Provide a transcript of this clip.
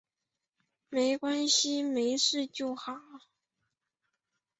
没关系，没事就好